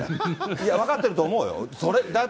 いや、分かってると思うよ。